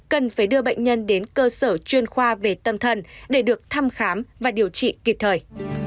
cần phải đưa bệnh nhân đến cơ sở chuyên khoa về tâm thần để được thăm khám và điều trị kịp thời